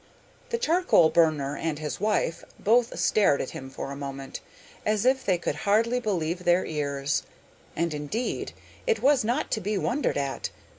The charcoal burner and his wife both stared at him for a moment, as if they could hardly believe their ears; and, indeed, it was not to be wondered at!